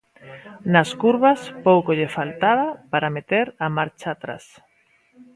Nas curvas pouco lle faltaba para meter a marcha atrás.